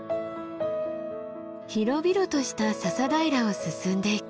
広々とした笹平を進んでいく。